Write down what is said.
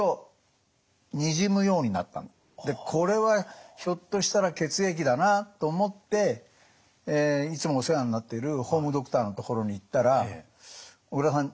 でこれはひょっとしたら血液だなと思っていつもお世話になってるホームドクターのところに行ったら「小倉さん